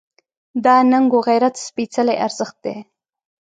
دا ننګ و غیرت سپېڅلی ارزښت دی.